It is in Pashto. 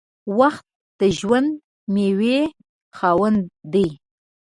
• وخت د ژوند د میوې خاوند دی.